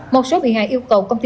một số bị hại yêu cầu công ty